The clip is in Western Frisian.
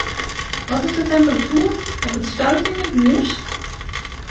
Wat is de temperatuer op it stuit yn myn hûs?